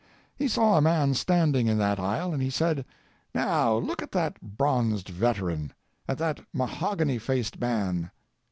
He saw a man standing in that aisle, and he said "Now, look at that bronzed veteran—at that mahogany faced man.